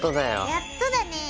やっとだね。